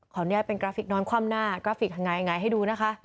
ของนี้เป็นกราฟิกนอนคว่ำหน้ากราฟิกไหนให้ดูนะคะ